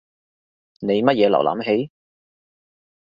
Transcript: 你乜嘢瀏覽器？